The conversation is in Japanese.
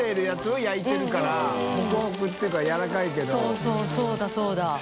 そうそうそうだそうだ。